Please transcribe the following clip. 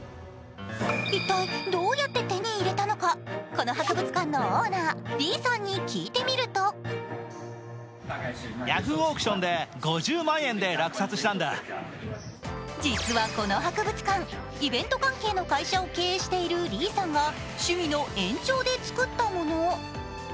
一体どうやって手に入れたのかこの博物館のオーナー、リーさんに聞いてみると実は、この博物館、イベント関係の会社を経営している李さんが趣味の延長で作ったもの。